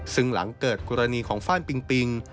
ซึ่งหลังเกิดกรณีของฟ่านปิงปิง